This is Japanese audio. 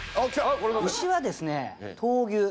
牛はですね闘牛。